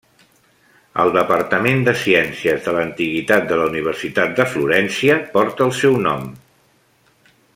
El departament de Ciències de l'Antiguitat de la Universitat de Florència porta el seu nom.